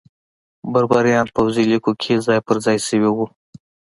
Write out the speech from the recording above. بربریان پوځي لیکو کې ځای پرځای شوي وو.